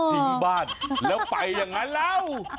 ทิ้งบ้านแล้วไปอย่างนั้นแล้ว